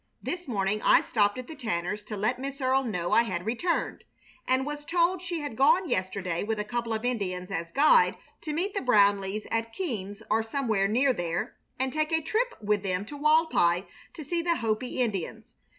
This morning I stopped at the Tanners' to let Miss Earle know I had returned, and was told she had gone yesterday with a couple of Indians as guide to meet the Brownleighs at Keams or somewhere near there, and take a trip with them to Walpi to see the Hopi Indians.